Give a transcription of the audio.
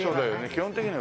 基本的には。